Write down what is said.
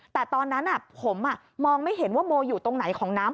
แต่ตอนนั้นผมมองไม่เห็นว่าโมอยู่ตรงไหนของน้ำ